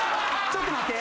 ちょっと待って。